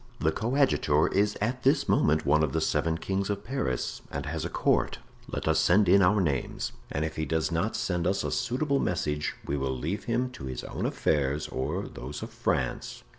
The coadjutor is at this moment one of the seven kings of Paris, and has a court. Let us send in our names, and if he does not send us a suitable message we will leave him to his own affairs or those of France.